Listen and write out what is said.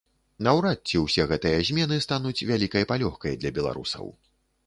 Наўрад ці ўсе гэтыя змены стануць вялікай палёгкай для беларусаў.